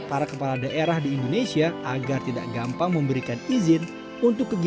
para kepala daerah di indonesia agar tidak gampang memberikan izin bagi kegiatan alih fungsi lahan pertanian